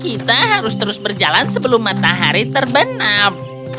kita harus terus berjalan sebelum matahari terbenam